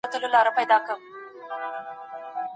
که مزدور يا مامور په غصه سي.